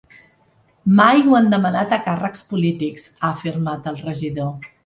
Mai ho han demanat a càrrecs polítics, ha afirmat el regidor.